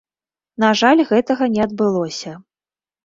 На жаль, гэтага не адбылося.